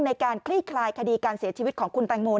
ในการคลี่คลายมปรัฐภัณฑ์การเสียชีวิตของคุณแตงโม